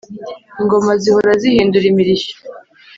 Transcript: Ingoma zihora zihindura imirishyo